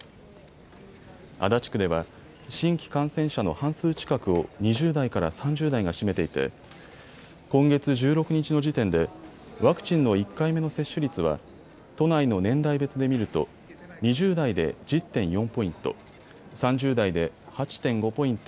足立区では新規感染者の半数近くを２０代から３０代が占めていて今月１６日の時点でワクチンの１回目の接種率は都内の年代別で見ると２０代で１０．４ポイント、３０代で８．５ポイント